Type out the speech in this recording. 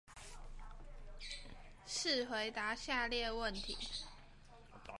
試回答下列問題